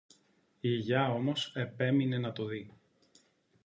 Η Γιαγιά όμως επέμεινε να το δει